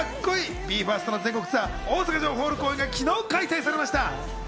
ＢＥ：ＦＩＲＳＴの全国ツアー大阪城ホール公演が昨日開催されました。